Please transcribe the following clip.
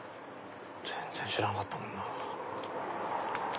全然知らなかったもんなぁ。